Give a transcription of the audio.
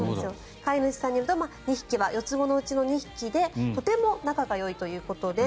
飼い主さんによると２匹は四つ子のうちの２匹でとても仲がいいということです。